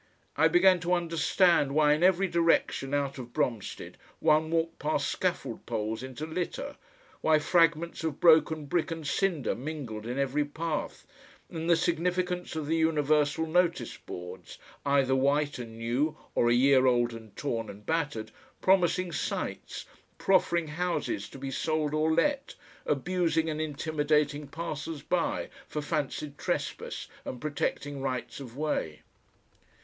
I began to understand why in every direction out of Bromstead one walked past scaffold poles into litter, why fragments of broken brick and cinder mingled in every path, and the significance of the universal notice boards, either white and new or a year old and torn and battered, promising sites, proffering houses to be sold or let, abusing and intimidating passers by for fancied trespass, and protecting rights of way.